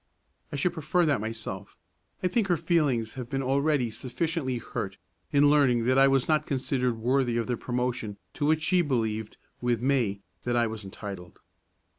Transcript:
"I should prefer that myself. I think her feelings have been already sufficiently hurt in learning that I was not considered worthy of the promotion to which she believed, with me, that I was entitled."